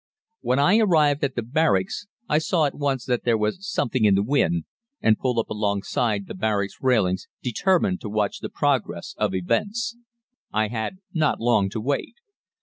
"When I arrived at the barracks, I saw at once that there was something in the wind, and pulled up alongside the barrack railings, determined to watch the progress of events. I had not long to wait.